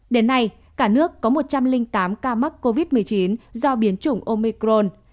đến nay cả nước có một trăm linh tám ca mắc covid một mươi chín do biến chủng omicron